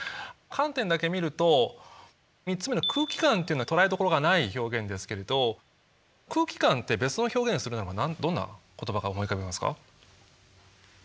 観点だけ見ると３つ目の「空気感」っていうのは捕らえどころがない表現ですけれど「空気感」って別の表現するならばどんな言葉が思い浮かびますか？